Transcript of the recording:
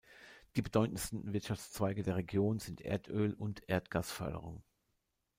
Die bedeutendsten Wirtschaftszweige der Region sind Erdöl- und Erdgasförderung.